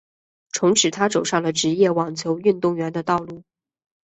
从此她走上了职业网球运动员的道路。